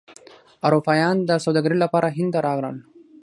اروپایان د سوداګرۍ لپاره هند ته راغلل.